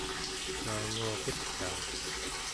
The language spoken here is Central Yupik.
naanguarutaa